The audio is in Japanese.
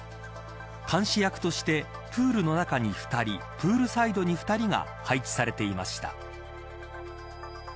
監視役としてプールの中に２人プールサイドに２人が配置されていました。